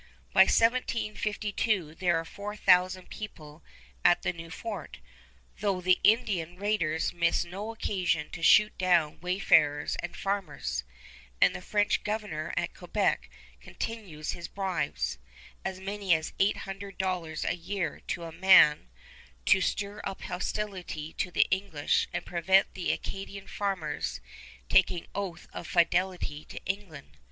By 1752 there are four thousand people at the new fort, though the Indian raiders miss no occasion to shoot down wayfarers and farmers; and the French Governor at Quebec continues his bribes as much as eight hundred dollars a year to a man to stir up hostility to the English and prevent the Acadian farmers taking the oath of fidelity to England.